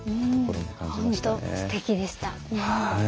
本当すてきでした。